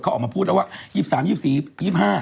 เขาออกมาพูดแล้วว่า๒๓๒๔๒๕